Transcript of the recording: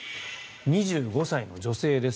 ２５歳の女性です。